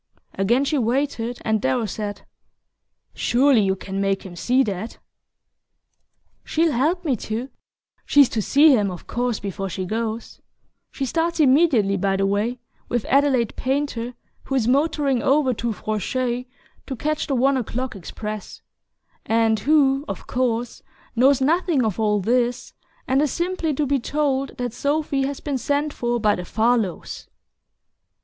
Again she waited, and Darrow said: "Surely you can make him see that." "She'll help me to she's to see him, of course, before she goes. She starts immediately, by the way, with Adelaide Painter, who is motoring over to Francheuil to catch the one o'clock express and who, of course, knows nothing of all this, and is simply to be told that Sophy has been sent for by the Farlows."